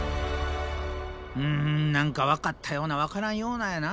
うん何か分かったような分からんようなやな